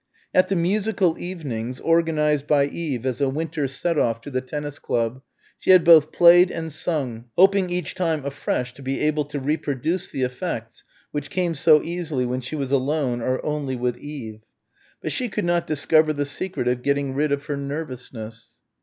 At the musical evenings, organised by Eve as a winter set off to the tennis club, she had both played and sung, hoping each time afresh to be able to reproduce the effects which came so easily when she was alone or only with Eve. But she could not discover the secret of getting rid of her nervousness.